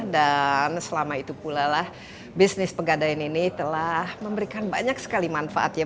dan selama itu pula lah bisnis pegadaian ini telah memberikan banyak sekali manfaat ya